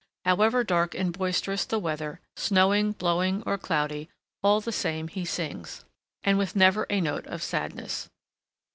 However dark and boisterous the weather, snowing, blowing, or cloudy, all the same he sings, and with never a note of sadness.